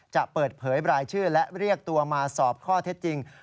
จะเปิดเผยรายชื่อและเรียกตัวมาสอบข้อเท็จจริง